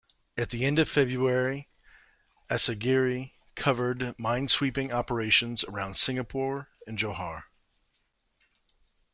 At the end of February, "Asagiri" covered minesweeping operations around Singapore and Johore.